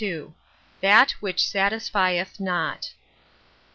"THAT WHICH SATISFIETH NOT."